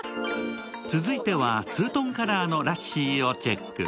続いてはツートンカラーのラッシーをチェック。